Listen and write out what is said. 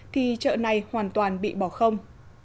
thì chợ này hoàn toàn bị bỏ không